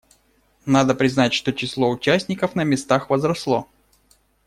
Надо признать, что число участников на местах возросло.